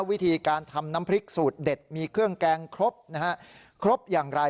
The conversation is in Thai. วิธีการทำน้ำพริกสูตรเด็ดมีเครื่องแกงครบนะฮะครบอย่างไร